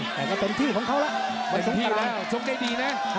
สงแตราห์สงแตราห์จบดีนี่นะ